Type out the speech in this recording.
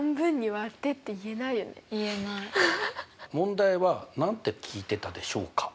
問題は何て聞いてたでしょうか？